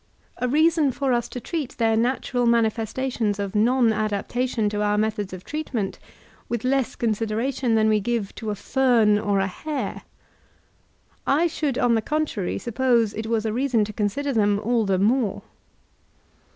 — a reason for us to treat their natural manifestations of non adaptation to our methods of treatment with less consideration than we give to a fern or a hare ? I should, on the contraty, suppose it was a reason to consider them all the more.